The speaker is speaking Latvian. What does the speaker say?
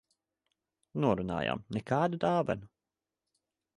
Norunājām - nekādu dāvanu.